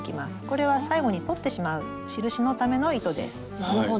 これは最後に取ってしまう印のための糸です。